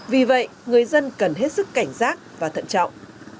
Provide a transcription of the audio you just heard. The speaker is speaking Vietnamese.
vì vậy người dân cần hết sức cảnh giác và thận trọng